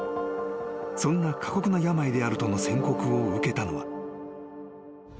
［そんな過酷な病であるとの宣告を受けたのは］